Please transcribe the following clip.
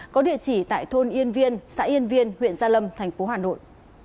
có địa chỉ tại thôn yên viên xã yên viên huyện gia lâm tp hà nội